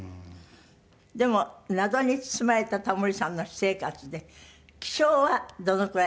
でも謎に包まれたタモリさんの私生活で起床はどのくらい？